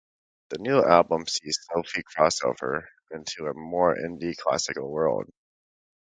The new album sees Sophie crossover into a more indie-classical world.